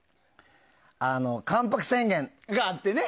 「関白宣言」があってね。